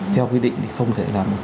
theo quyết định thì không thể là một